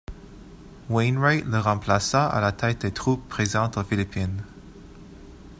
Wainwright le remplaça à la tête des troupes présentes aux Philippines.